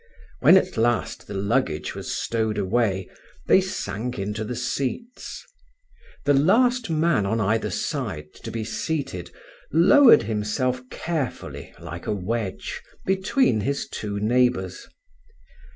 When at last the luggage was stowed away they sank into the seats. The last man on either side to be seated lowered himself carefully, like a wedge, between his two neighbours.